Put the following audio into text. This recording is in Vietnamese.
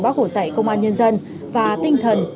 bác hồ dạy công an nhân dân và tinh thần